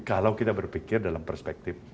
kalau kita berpikir dalam perspektif